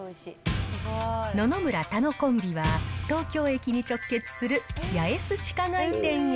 野々村・楽コンビは、東京駅に直結する八重洲地下街店へ。